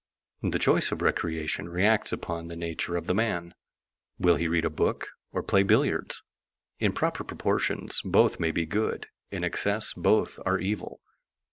The choice of recreation reacts upon the nature of the man. Will he read a book or play billiards? In proper proportions both may be good, in excess both are evil.